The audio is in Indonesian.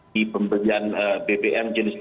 di pemberian bbm jenis